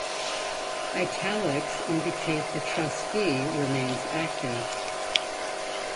"Italics" indicate the trustee remains active.